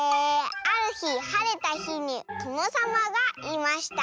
「あるひはれたひにとのさまがいました」。